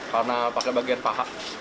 karena pakai bagian pahak